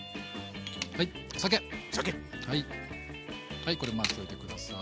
はいこれ混ぜといて下さい。